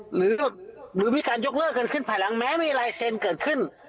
หรือมีการยกเลิกกันขึ้นภายหลังแม้มีลายเซ็นเกิดขึ้น